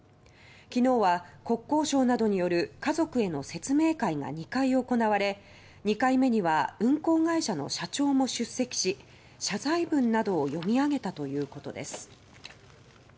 昨日は、国交省などによる家族への説明会が２回行われ２回目には運航会社の社長も出席し謝罪文などを読み上げたということです。